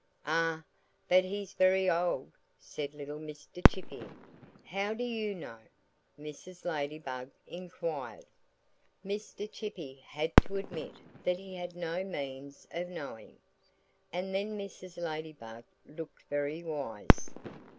'" "Ah! But he's very old!" said little Mr. Chippy. "How do you know?" Mrs. Ladybug inquired. Mr. Chippy had to admit that he had no means of knowing. And then Mrs. Ladybug looked very wise.